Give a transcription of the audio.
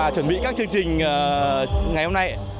chuẩn bị các chương trình ngày hôm nay